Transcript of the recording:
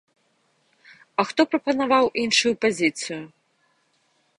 А хто прапанаваў іншую пазіцыю?